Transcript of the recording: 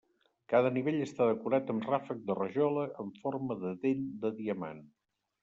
Cada nivell està decorat amb ràfec de rajola amb forma de dent de diamant.